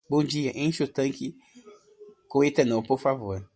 Bom dia, encha o tanque com etanol, por favor.